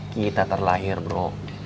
kita terlahir bro